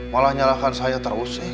malah nyalahkan saya terus ya